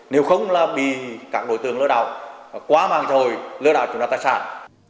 nếu không là bị các đối tượng lừa đảo quá mạng xã hội lừa đảo chúng ta tài sản